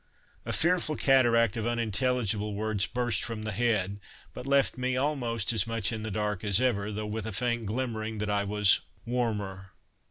A fearful cataract of unintelligible words burst from the head, but left me almost as much in the dark as ever, though with a faint glimmering that I was "warmer."